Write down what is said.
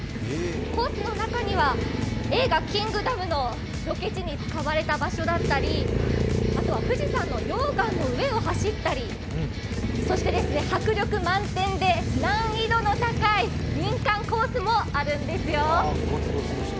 コースの中には映画「ＫＩＮＧＤＯＭ」のロケ地に使われた場所だったり、あとは富士山の溶岩の上を走ったりそして迫力満点で、難易度の高い民間コースもあるんですよ。